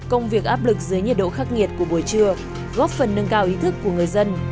công việc áp lực dưới nhiệt độ khắc nghiệt của buổi trưa góp phần nâng cao ý thức của người dân